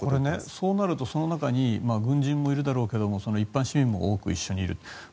そうなるとその中に軍人もいるだろうけど一般市民も多く一緒にいる。